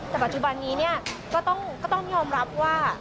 แต่ปัจจุบันนี้เนี่ยก็ต้องยอมรับว่า